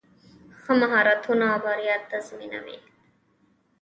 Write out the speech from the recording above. ښه مهارتونه بریا تضمینوي.